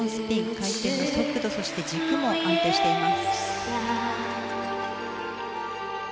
回転の速度そして軸も安定しています。